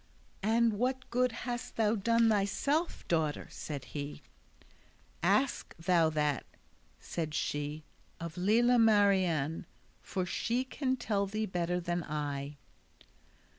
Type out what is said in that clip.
"And what good hast thou done thyself, daughter?" said he. "Ask thou that," said she, "of Lela Marien, for she can tell thee better than I."